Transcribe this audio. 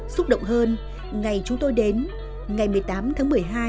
xúc động hơn ngày chúng tôi đến ngày một mươi tám tháng một mươi hai